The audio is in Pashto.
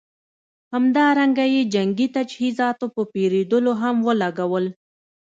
همدارنګه یې جنګي تجهیزاتو په پېرودلو هم ولګول.